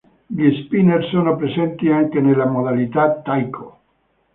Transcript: Gli spinner sono presenti anche nella modalità Taiko.